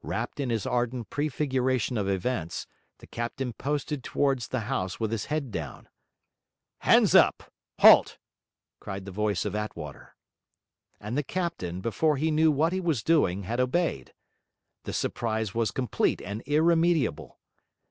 Wrapped in his ardent prefiguration of events, the captain posted towards the house with his head down. 'Hands up! Halt!' cried the voice of Attwater. And the captain, before he knew what he was doing, had obeyed. The surprise was complete and irremediable.